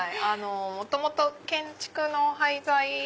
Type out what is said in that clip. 元々建築の廃材で。